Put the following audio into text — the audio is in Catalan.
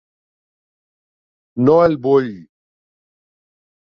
No el vull.